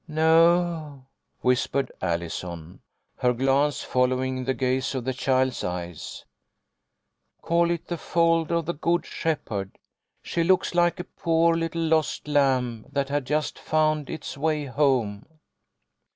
"No," whispered Allison, her glance following the gaze of the child's eyes. " Call it The Fold of the Good Sliepherd. She looks like a poor little lost lamb that had just found its way home."